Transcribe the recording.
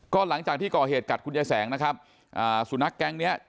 ก็หลังจากที่ก่อเหตุกัดคุณยายแสงนะครับอ่าสุนัขแก๊งเนี้ย